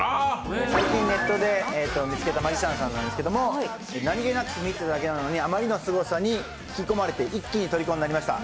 最近ネットで見つけたマジシャンなんですけど何気なく見てただけなのに、あまりのすごさに一気に、とりこになりました。